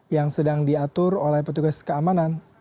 yang sedang diatur oleh petugas keamanan